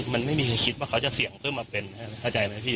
มันไม่มีใครคิดว่าเขาจะเสี่ยงเพิ่มมาเป็นเข้าใจไหมพี่